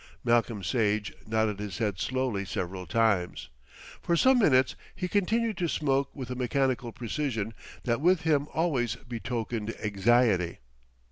Malcolm Sage nodded his head slowly several times. For some minutes he continued to smoke with a mechanical precision that with him always betokened anxiety.